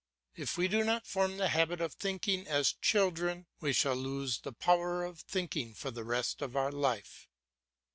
If we do not form the habit of thinking as children, we shall lose the power of thinking for the rest of our life.